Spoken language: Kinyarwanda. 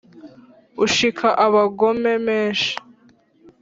ushika abagome menshi